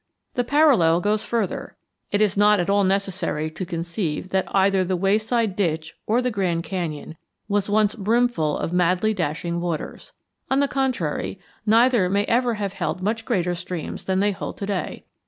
The parallel goes further. It is not at all necessary to conceive that either the wayside ditch or the Grand Canyon was once brimful of madly dashing waters. On the contrary, neither may ever have held much greater streams than they hold to day.